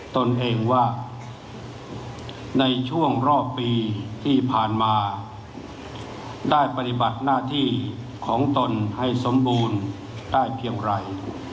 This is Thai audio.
ตนเองว่าในช่วงรอบปีที่ผ่านมาได้ปฏิบัติหน้าที่ของตนให้สมบูรณ์ได้เพียงไร